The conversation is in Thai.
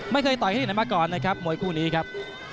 ไม่เคยต่อยเท่าไหร่มาก่อนนะครับมวยคู่นี้ครับ